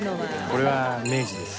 これは明治です。